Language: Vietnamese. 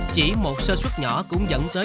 chỉ một sơ suất nhỏ cũng dẫn tới